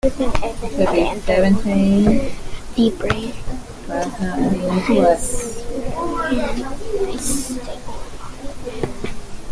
Other than Evan Dando, the band has rarely had a stable line-up.